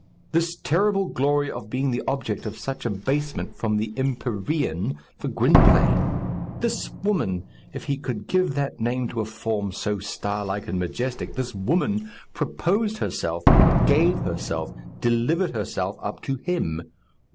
this terrible glory of being the object of such abasement from the empyrean, for Gwynplaine! This woman, if he could give that name to a form so starlike and majestic, this woman proposed herself, gave herself, delivered herself up to him!